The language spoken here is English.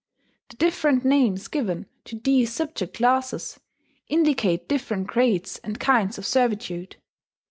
The different names given to these subject classes indicate different grades and kinds of servitude.